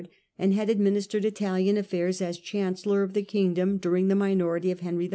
and. had administered Italian affairs, as chancellor of the kingdom, during the minority of Henry IV.